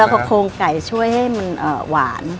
แล้วก็โครงไก่ช่วยให้มันหวาน